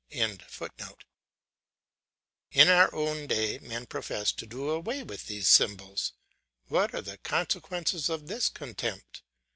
] In our own day men profess to do away with these symbols. What are the consequences of this contempt?